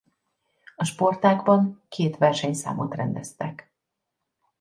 A sportágban két versenyszámot rendeztek.